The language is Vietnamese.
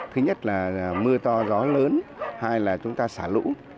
thứ nhất là mưa to gió lớn hai là chúng ta xả lũ